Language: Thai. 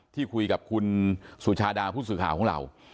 ที่คุยกับคุณสุชาดาผู้สื่อข่าวของเรา